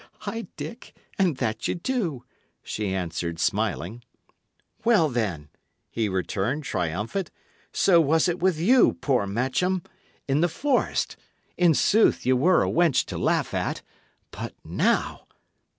"Ay, Dick, an' that ye do!" she answered, smiling. "Well, then!" he returned, triumphant. "So was it with you, poor Matcham, in the forest. In sooth, ye were a wench to laugh at. But now!"